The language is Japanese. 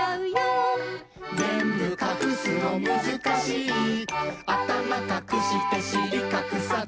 「ぜんぶかくすのむずかしい」「あたまかくしてしりかくさず」